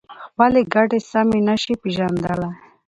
خپلې ګټې سمې نشي پېژندلای.